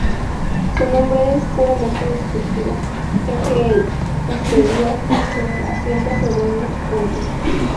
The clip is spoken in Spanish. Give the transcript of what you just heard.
Su nombre es puramente descriptivo, ya que el caserío se asienta sobre una cumbre.